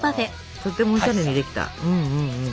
とってもおしゃれにできた。